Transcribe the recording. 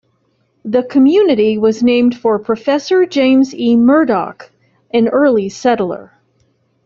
The community was named for Professor James E. Murdoch, an early settler.